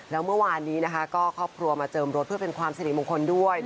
แล้วเมื่อวานนี้นะคะก็ครอบครัวมาเจิมรถเพื่อเป็นความสนิทมงคลด้วย